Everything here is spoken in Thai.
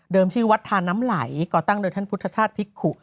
ชื่อวัดทานน้ำไหลก่อตั้งโดยท่านพุทธชาติภิกขุ